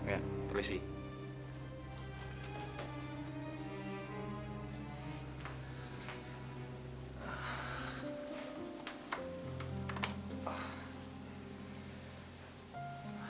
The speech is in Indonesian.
ya terima kasih